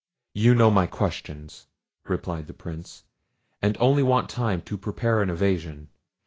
"You know my questions," replied the Prince, "and only want time to prepare an evasion.